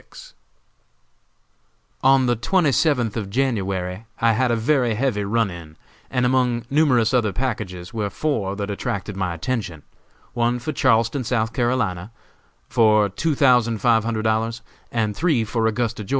_ On the twenty seventh of January I had a very heavy run in, and among numerous other packages were four that attracted my attention; one for Charleston, S. C., for two thousand five hundred dollars, and three for Augusta, Geo.